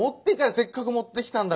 せっかく持ってきたんだからさ。